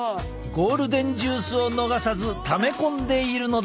ゴールデンジュースを逃さずため込んでいるのだ。